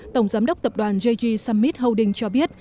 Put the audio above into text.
tổng giám đốc tập đoàn jg summit holding cho biết